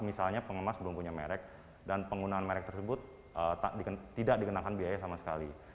misalnya pengemas belum punya merek dan penggunaan merek tersebut tidak dikenakan biaya sama sekali